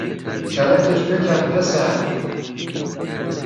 کلکش بکن پسر